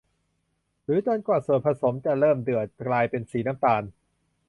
หรือจนกว่าส่วนผสมจะเริ่มเดือดกลายเป็นสีน้ำตาล